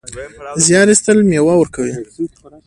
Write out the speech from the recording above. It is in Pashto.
زیار ایستل مېوه ورکوي